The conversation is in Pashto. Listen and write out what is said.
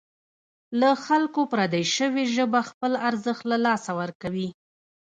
له خلکو پردۍ شوې ژبه خپل ارزښت له لاسه ورکوي.